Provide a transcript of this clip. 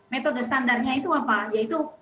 metode standarnya itu apa yaitu